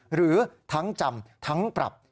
หรือทั้งจำทั้งปรับ